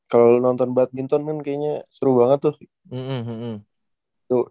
kalau nonton badminton kan kayaknya seru banget tuh